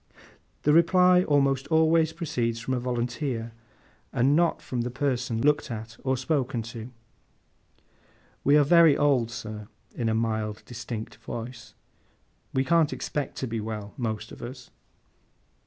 The reply almost always proceeds from a volunteer, and not from the person looked at or spoken to. 'We are very old, sir,' in a mild, distinct voice. 'We can't expect to be well, most of us.